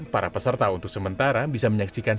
para peserta untuk sementara bisa menyaksikan